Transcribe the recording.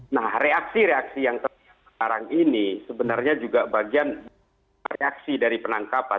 nah reaksi reaksi yang terjadi sekarang ini sebenarnya juga bagian reaksi dari penangkapan